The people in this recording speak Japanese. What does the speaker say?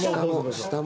下も。